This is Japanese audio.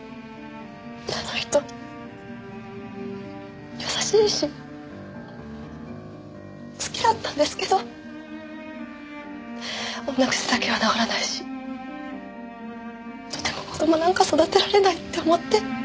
あの人優しいし好きだったんですけど女癖だけは直らないしとても子供なんか育てられないって思って。